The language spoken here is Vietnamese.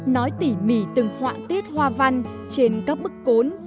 nói tỉ mỉ từng họa tiết hoa văn trên các bức cốn